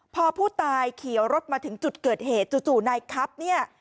พอผู้ตายเขียวรถมาถึงจุดเกิดเหตุจู่นายครับเนี่ย